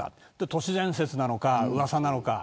都市伝説なのか、うわさなのか。